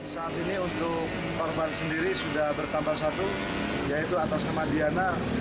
saat ini untuk korban sendiri sudah bertambah satu yaitu atas nama diana